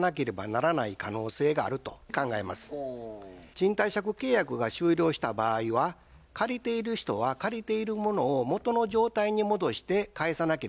賃貸借契約が終了した場合は借りている人は借りているものを元の状態に戻して返さなければなりません。